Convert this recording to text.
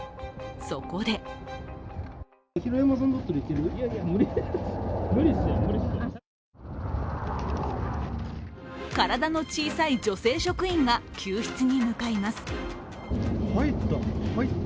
そこで体の小さい女性職員が救出に向かいます。